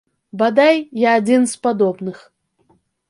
Бадай, я адзін з падобных.